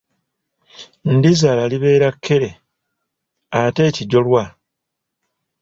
Ndizaala liba kkere ate ekijolwa?